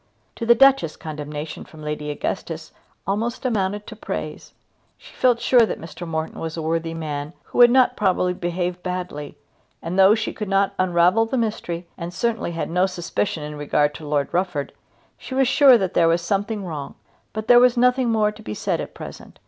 To the Duchess condemnation from Lady Augustus almost amounted to praise. She felt sure that Mr. Morton was a worthy man who would not probably behave badly, and though she could not unravel the mystery, and certainly had no suspicion in regard to Lord Rufford, she was sure that there was something wrong. But there was nothing more to be said at present.